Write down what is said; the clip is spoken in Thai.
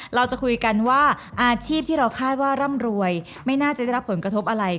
เราจะคุยกันว่าอาชีพที่เราคาดว่าร่ำรวยไม่น่าจะได้รับผลกระทบอะไร